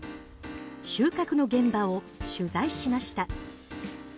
収穫の現場を取材しました。